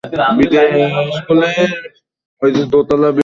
এর অপর নাম মাছ ধরার ছীপ।